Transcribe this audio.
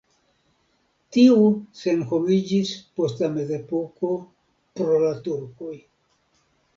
Tiu senhomiĝis post la mezepoko pro la turkoj.